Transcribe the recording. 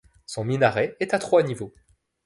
Son minaret est à trois niveaux.